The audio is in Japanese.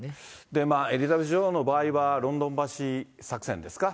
で、まあ、エリザベス女王の場合は、ロンドン橋作戦ですか。